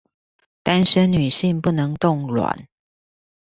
單身女性不能凍卵